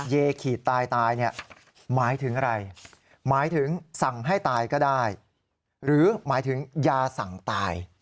ขีดตายตายเนี่ยหมายถึงอะไรหมายถึงสั่งให้ตายก็ได้หรือหมายถึงยาสั่งตาย